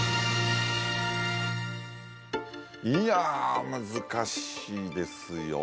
いや難しいですよ